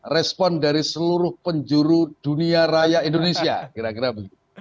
respon dari seluruh penjuru dunia raya indonesia kira kira begitu